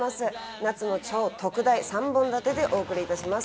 夏の超特大３本立てでお送りします。